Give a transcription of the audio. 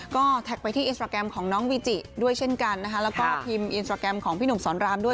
ก็แท็กไปที่อินสตราแกรมของน้องวิจิด้วยเช่นกันนะคะแล้วก็พิมพ์อินสตราแกรมของพี่หนุ่มสอนรามด้วย